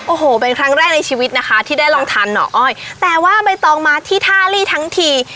โอ้โหเป็นครั้งแรกในชีวิตนะคะที่ได้ลองทานหน่ออ้อยแต่ว่าใบตองมาที่ท่าลี่ทั้งที